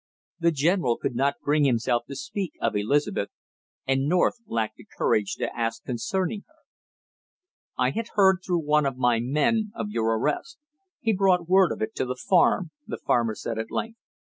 The general could not bring himself to speak of Elizabeth, and North lacked the courage to ask concerning her. "I heard through one of my men of your arrest. He brought word of it to the farm," the farmer said at length.